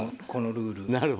このルール。